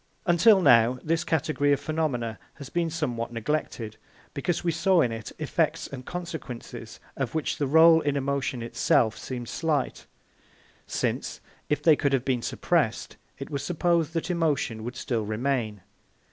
Until now this category of phenomena has been somewhat neglected, because we saw in it effects and consequences of which the rôle in emotion itself seemed slight, since, if they could have been suppressed, it was supposed that emotion would still remain.